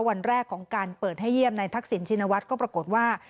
วันแรกของการเปิดให้เยี่ยมในทักษิณชินวัฒน์ก็ปรากฏว่า